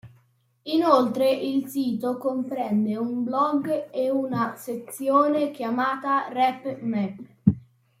Inoltre il sito comprende un blog e una sezione chiamata "Rap Map".